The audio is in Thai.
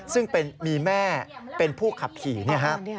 ซึ่งมีแม่เป็นผู้ขับขี่เนี่ยฮะ